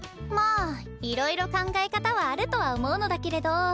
まあいろいろ考え方はあるとは思うのだけれど。